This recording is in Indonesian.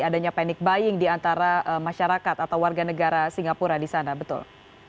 adanya panic buying di antara masyarakat atau warga negara singapura di sana betul